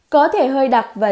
có thể hơi đặc và